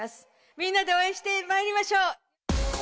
みんなで応援してまいりましょう。